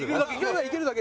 行けるだけ。